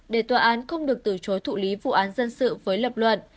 để tòa án không được từ chối thụ lý vụ án dân sự với lập luận